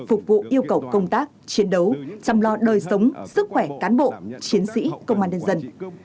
phục vụ yêu cầu công tác chiến đấu chăm lo đời sống sức khỏe cán bộ chiến sĩ công an nhân dân